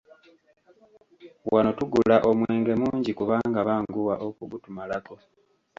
Wano tugula omwenge mungi kubanga banguwa okugutumalako.